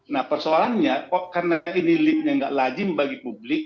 nah persoalannya kok karena ini liftnya nggak lazim bagi publik